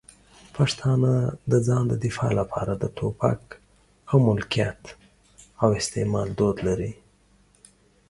پښتانه د ځان د دفاع لپاره د ټوپک د ملکیت او استعمال دود لري.